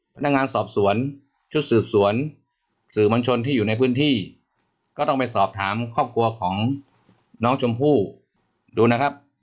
พนักงานสอบสวนชุดสืบสวนสื่อมวลชนที่อยู่ในพื้นที่ก็ต้องไปสอบถามครอบครัวของน้องชมพู่ดูนะครับ